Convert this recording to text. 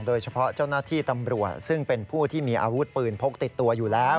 เจ้าหน้าที่ตำรวจซึ่งเป็นผู้ที่มีอาวุธปืนพกติดตัวอยู่แล้ว